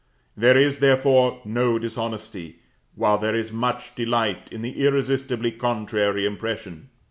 There is, therefore, no dishonesty, while there is much delight, in the irresistibly contrary impression.